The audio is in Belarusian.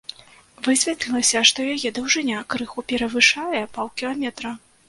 Высветлілася, што яе даўжыня крыху перавышае паўкіламетра.